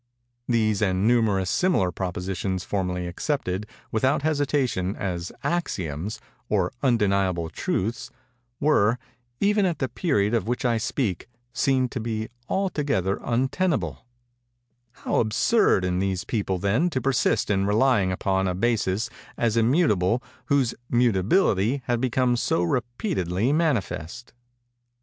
These and numerous similar propositions formerly accepted, without hesitation, as axioms, or undeniable truths, were, even at the period of which I speak, seen to be altogether untenable:—how absurd in these people, then, to persist in relying upon a basis, as immutable, whose mutability had become so repeatedly manifest!